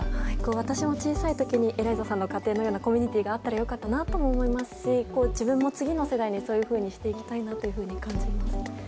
私も小さい時にエライザさんの家庭のようなコミュニティーがあったらいいなと思いましたし自分も次の世代にそういうふうにしていきたいと感じます。